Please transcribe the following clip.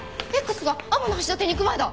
Ｘが天橋立に行く前だ！